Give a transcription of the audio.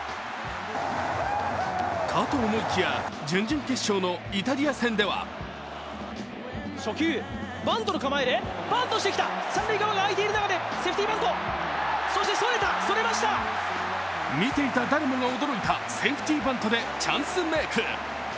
かと思いきや準々決勝のイタリア戦では見ていた誰もが驚いたセーフティバントでチャンスメイク。